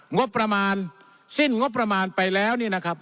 งบประมาณสิ้นงบประมาณไปแล้วเนี่ยนะครับ